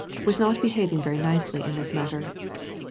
was not behaving very nicely in this nuitter.